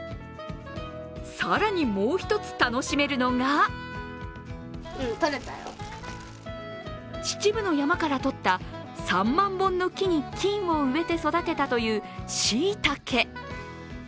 さらに、もう一つ楽しめるのが秩父の山からとった３万本の木に菌を植えて育てたという、しいたけ。